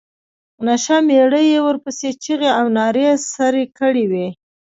نشه مېړه یې ورپسې چيغې او نارې سر کړې وې.